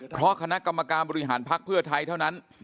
เพราะคณะกรรมการบริหารภักดิ์เพื่อไทยเท่านั้น